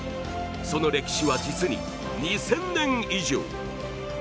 その歴史は、実に２０００年以上。